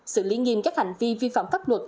xử lý nghiêm các hành vi vi phạm pháp luật